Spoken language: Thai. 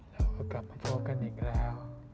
เราก็กลับมาพบกันอีกแล้ว